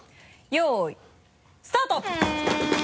よいスタート！